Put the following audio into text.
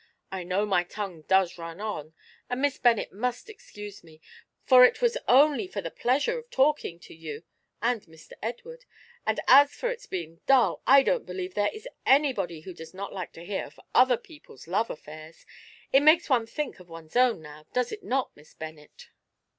I know my tongue does run on, and Miss Bennet must excuse me, for it was only for the pleasure of talking to you and Mr. Edward. And as for its being dull, I don't believe there is anybody who does not like to hear of other people's love affairs; it makes one think of one's own, now, does it not, Miss Bennet?"